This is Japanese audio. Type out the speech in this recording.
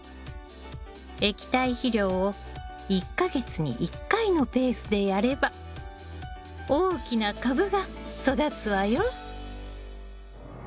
液体肥料を１か月に１回のペースでやれば大きな株が育つわよ。